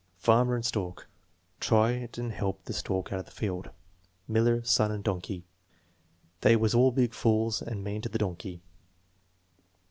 Farmer and Stork. "Try and help the stork out of the field." Miller, Son, and Donkey. "They was all big fools and mean to the donkey."